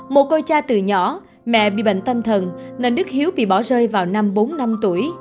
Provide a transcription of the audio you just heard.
một cô cha từ nhỏ mẹ bị bệnh tâm thần nên đức hiếu bị bỏ rơi vào năm bốn năm tuổi